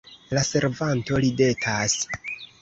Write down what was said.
La servanto ridetas.